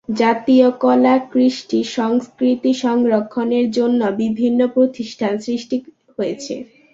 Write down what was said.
জাতীয় কলা-কৃষ্টি-সংস্কৃতি সংরক্ষণের জন্য বিভিন্ন প্রতিষ্ঠান সৃষ্টি হয়েছে।